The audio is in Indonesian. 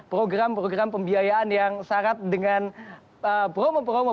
program program pembiayaan yang syarat dengan promo promo